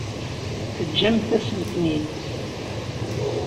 Teǧǧamt-asent-ten-id?